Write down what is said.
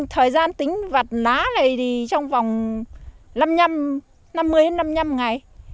thời gian tính vặt lá này thì trong vòng năm mươi năm mươi năm ngày